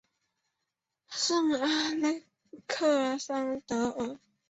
圣阿勒克桑德尔。